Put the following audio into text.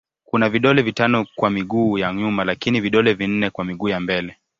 Kuna vidole vitano kwa miguu ya nyuma lakini vidole vinne kwa miguu ya mbele.